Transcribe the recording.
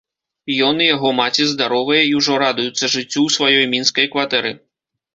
Ён і яго маці здаровыя і ўжо радуюцца жыццю ў сваёй мінскай кватэры.